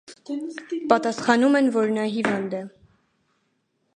Պատասխանում են, որ նա հիվանդ է։